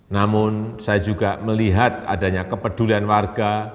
namun saya juga melihat adanya kepedulian warga